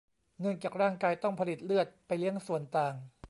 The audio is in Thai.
เนื่องจากร่างกายต้องผลิตเลือดไปเลี้ยงส่วนต่าง